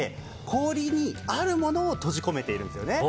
氷にあるものを閉じ込めてるんです。